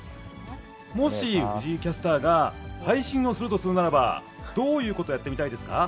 もし藤井キャスターが配信をするとするならば、どういうことやってみたいですか？